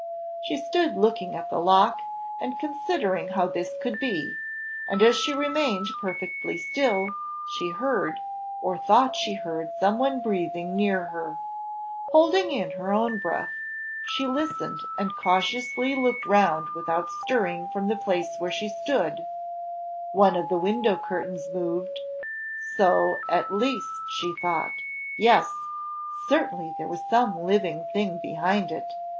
She stood looking at the lock, and considering how this could be, and as she remained perfectly still, she heard, or thought she heard some one breathing near her. Holding in her own breath, she listened and cautiously looked round without stirring from the place where she stood one of the window curtains moved, so at least she thought yes, certainly there was some living thing behind it.